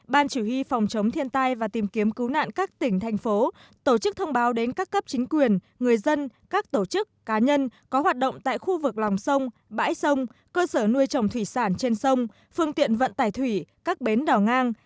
ban chỉ huy phòng chống thiên tai và tìm kiếm cứu nạn các tỉnh thành phố tổ chức thông báo đến các cấp chính quyền người dân các tổ chức cá nhân có hoạt động tại khu vực lòng sông bãi sông cơ sở nuôi trồng thủy sản trên sông phương tiện vận tải thủy các bến đỏ ngang